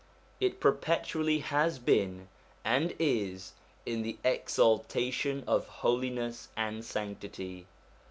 It perpetually has been, and is, in the exaltation of holiness and sanctity.